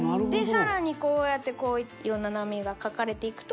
更にこうやってこういろんな波が描かれていくと。